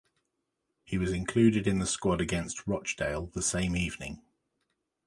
He was included in the squad against Rochdale the same evening.